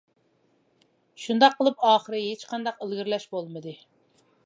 شۇنداق قىلىپ ئاخىرى ھېچقانداق ئىلگىرىلەش بولمىدى.